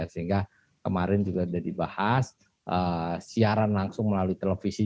sehingga kemarin juga sudah dibahas siaran langsung melalui televisi